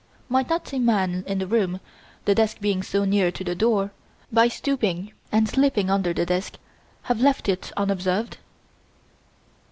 "Might not a man in the room, the desk being so near to the door, by stooping and slipping under the desk, have left it unobserved?"